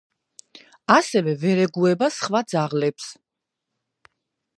ასევე ვერ ეგუება სხვა ძაღლებს.